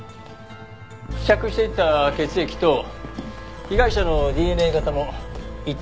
付着していた血液と被害者のＤＮＡ型も一致しました。